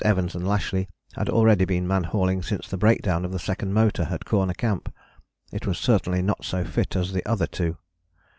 Evans and Lashly, had already been man hauling since the breakdown of the second motor at Corner Camp; it was certainly not so fit as the other two.